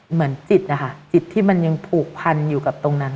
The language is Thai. เหมือนจิตนะคะจิตที่มันยังผูกพันอยู่กับตรงนั้น